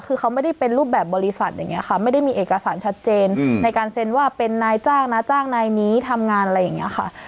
คือเขาไม่ได้เป็นรูปแบบบริษัทอย่างนี้ค่ะไม่ได้มีเอกสารชัดเจนในการเซ็นว่าเป็นนายจ้างนะจ้างนายนี้ทำงานอะไรอย่างนี้ค่ะ